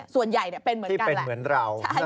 ส่วนใหญ่เป็นเหมือนที่เป็นเหมือนเรา